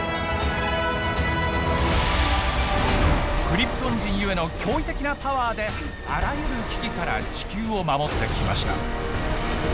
クリプトン人ゆえの驚異的なパワーであらゆる危機から地球を守ってきました。